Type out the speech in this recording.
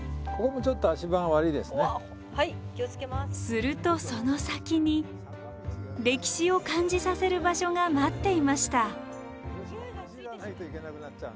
するとその先に歴史を感じさせる場所が待っていました。